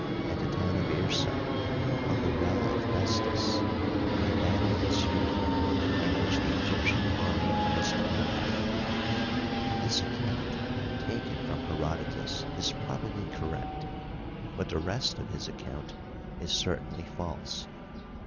At the town of Irsa, on the well of Thestis, a battle en sued, in which the Egyptian army was annihilated. This account, taken from Herodotus, is probably correct, but the rest of his account is certainly false.